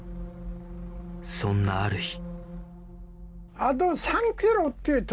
そんなある日